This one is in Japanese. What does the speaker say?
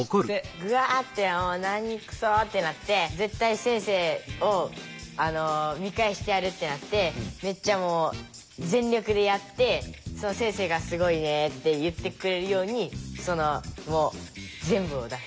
ぐあって何くそってなって絶対先生を見返してやるってなってめっちゃもう全力でやって先生が「すごいね」って言ってくれるようにそのもう全部を出す。